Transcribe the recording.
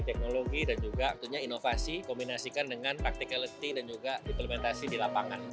teknologi dan juga tentunya inovasi kombinasikan dengan practicality dan juga implementasi di lapangan